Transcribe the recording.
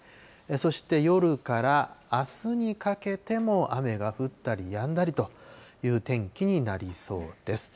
そして、夜からあすにかけても、雨が降ったりやんだりという天気になりそうです。